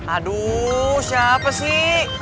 aduh siapa sih